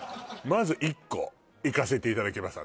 まず一個いかせていただきます